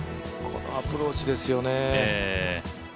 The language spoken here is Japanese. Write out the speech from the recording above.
このアプローチですよね。